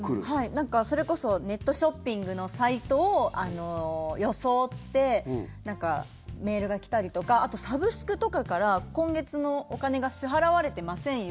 なんか、それこそネットショッピングのサイトを装ってメールが来たりとかあと、サブスクとかから今月のお金が支払われてませんよ